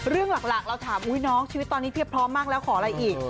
เรื่องหลักเราถามน้องชีวิตตอนนี้เพียบพร้อมมากแล้วขออะไรอีก